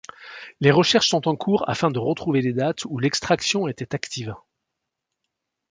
Les recherches sont en cours afin de retrouver les dates où l'extraction était active.